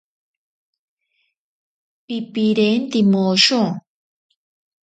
Pipirinte mosho.